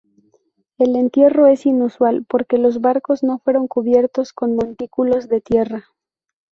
El entierro es inusual porque los barcos no fueron cubiertos con montículos de tierra.